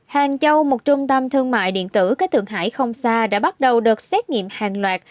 hàng châu một trung tâm thương mại điện tử có thượng hải không xa đã bắt đầu đợt xét nghiệm hàng loạt